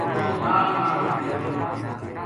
مُڑن کے نال ہی میں سٹ کری